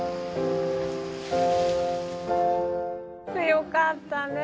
よかったね。